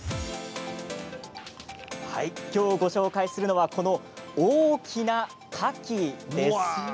きょうご紹介するのはこの大きなカキです。